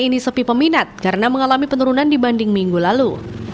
pasar murah kali ini sepi peminat karena mengalami penurunan dibanding minggu lalu